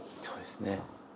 そうですね。